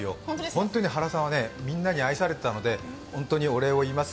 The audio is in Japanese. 本当に原さんはね、みんなに愛されていたので本当にお礼を言います。